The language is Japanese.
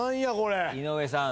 井上さん